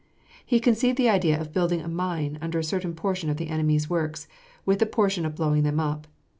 He conceived the idea of building a mine under a certain portion of the enemy's works, with the purpose of blowing them up.